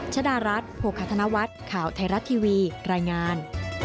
ชดารัฐโภคธนวัฒน์ข่าวไทยรัฐทีวีรายงาน